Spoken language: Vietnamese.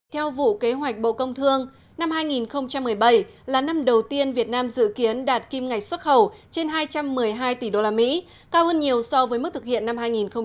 theo vụ kế hoạch bộ công thương năm hai nghìn một mươi bảy là năm đầu tiên việt nam dự kiến đạt kim ngạch xuất khẩu trên hai trăm một mươi hai tỷ usd cao hơn nhiều so với mức thực hiện năm hai nghìn một mươi bảy